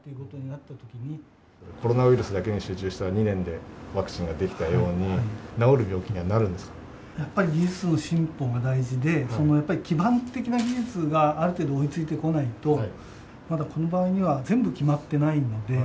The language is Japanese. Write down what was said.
コロナウイルスだけに集中したら２年でワクチンが出来たように、やっぱり技術の進歩が大事で、基盤的な技術がある程度追いついてこないと、まだこの場合には、全部決まってないので。